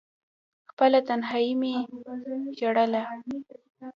خپله تنهايي مې ژړله…